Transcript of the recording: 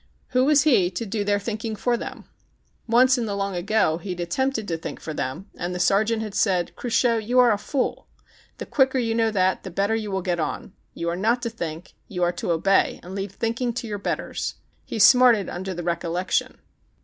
Who was he to do their thinking for them ? Once, in the long ago, he 176 THE CHINAGO had attempted to think for them, and the ser geant had said : "Cruchot, you are a fool ! The quicker you know that, the better you will get on. You are not to think; you are to obey and leave thinking to your betters." He smarted under the recollection.